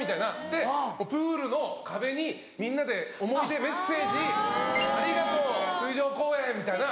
でプールの壁にみんなで思い出メッセージ「ありがとう水上公園」みたいな。